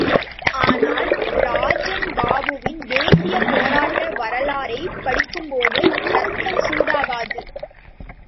ஆனால், ராஜன் பாபுவின் தேசீயப் போராட்ட வரலாறை, படிக்கும்போது, ரத்தம் சூடாகாது.